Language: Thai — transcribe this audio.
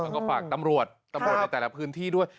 แล้วก็ฝากตำรวจตำรวจในแต่ละพื้นที่ด้วย